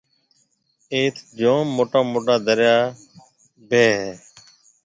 ايٿ جوم موٽا موٽا دريا ڀِي هيَ۔